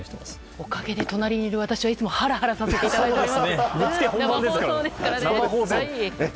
おかげで隣にいる私は、いつもハラハラさせていただいています。